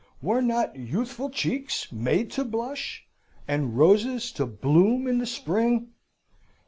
Were not youthful cheeks made to blush, and roses to bloom in the spring?